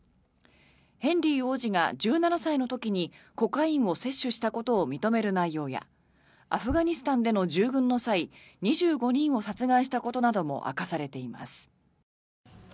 ヘンリー王子が１７歳の時にコカインを摂取したことを認める内容やアフガニスタンでの従軍の際２５人を殺害したことなども明かされています。